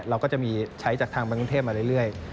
เราก็จะมีใช้จากทางบางกรุงเทพมาเรื่อย